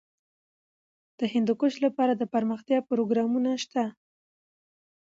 د هندوکش لپاره دپرمختیا پروګرامونه شته.